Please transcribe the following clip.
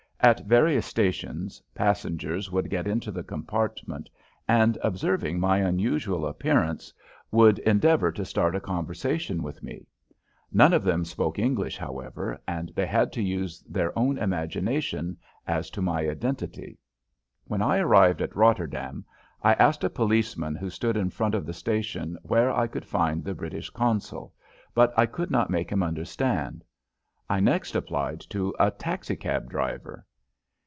At various stations passengers would get into the compartment and, observing my unusual appearance, would endeavor to start a conversation with me. None of them spoke English, however, and they had to use their own imagination as to my identity. When I arrived at Rotterdam I asked a policeman who stood in front of the station where I could find the British consul, but I could not make him understand. I next applied to a taxicab driver.